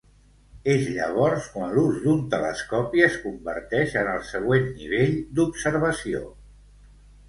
És llavors quan l'ús d'un telescopi es converteix en el següent nivell d'observació.